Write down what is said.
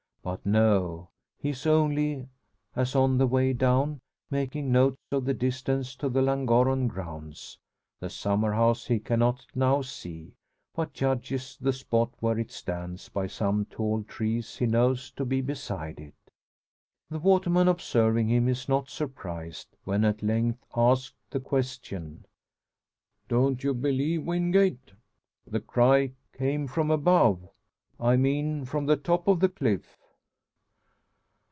But no; he is only, as on the way down, making note of the distance to the Llangorren grounds. The summer house he cannot now see, but judges the spot where it stands by some tall trees he knows to be beside it. The waterman observing him, is not surprised when at length asked the question, "Don't you believe, Wingate, the cry came from above I mean from the top of the cliff?"